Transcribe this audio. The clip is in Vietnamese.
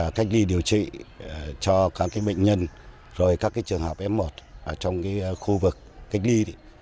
để cách ly điều trị cho các bệnh nhân các trường hợp m một trong khu vực cách ly